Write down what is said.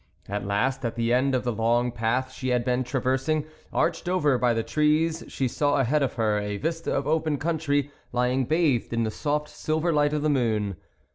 At last, at the end of the long path she had been traversing, arched over by the trees, she saw ahead of her, a vista of open country lying bathed in the soft silver light of the moon.